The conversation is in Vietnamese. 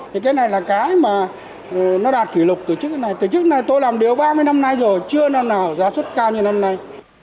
thì cái này là cái mà nó đạt kỷ lục từ trước đến nay từ trước đến nay tôi làm điều ba mươi năm nay rồi chưa năm nào giá xuất cao như năm nay